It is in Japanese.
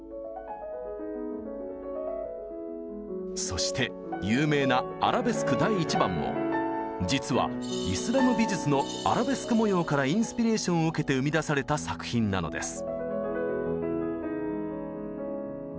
そして有名な「アラベスク第１番」も実はイスラム美術のアラベスク模様からインスピレーションを受けて生み出された作品なのです。